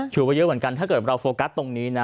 ถือว่าเยอะเหมือนกันถ้าเกิดเราโฟกัสตรงนี้นะ